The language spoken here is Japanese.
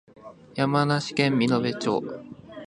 山梨県身延町